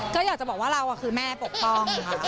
ก็อยากจะบอกว่าเราคือแม่ปกป้องค่ะ